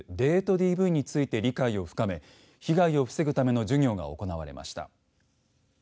ＤＶについて理解を深め被害を防ぐための授業が行われました。